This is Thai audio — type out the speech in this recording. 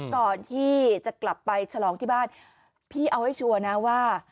ก่อนที่จะกลับไปฉลองที่บ้านพี่เอาให้ชัวร์นะว่า